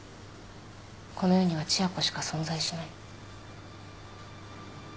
この世には千夜子しか存在しない。